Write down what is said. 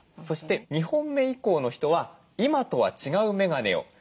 そして２本目以降の人は今とは違うメガネを。